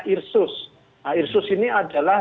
irsus nah irsus ini adalah